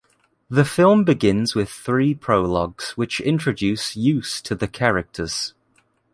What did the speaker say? The film begins with three prologues which introduce use to the characters.